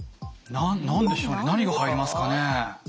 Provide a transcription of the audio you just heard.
何でしょうね何が入りますかね？